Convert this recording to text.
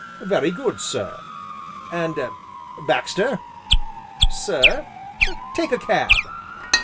"Very good, sir!" "And Baxter!" "Sir?" "Take a cab!"